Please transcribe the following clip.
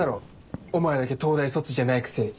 お前だけ東大卒じゃないくせに。